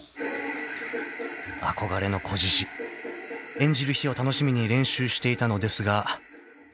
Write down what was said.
［憧れの仔獅子演じる日を楽しみに練習していたのですが］